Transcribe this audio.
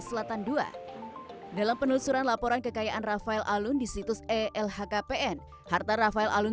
selatan dua dalam penelusuran laporan kekayaan rafael alun di situs elhkpn harta rafael alun